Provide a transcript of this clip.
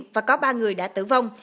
và có ba người đã tử vong